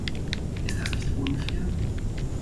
Ist das nicht unfair?